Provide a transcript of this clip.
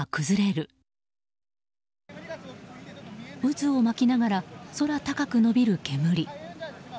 渦を巻きながら空高く伸びる煙。